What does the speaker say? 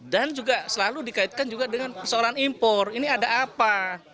dan juga selalu dikaitkan dengan persoalan impor ini ada apa